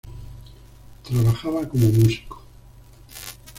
Trabajaba como músico.